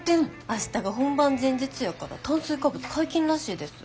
明日が本番前日やから炭水化物解禁らしいです。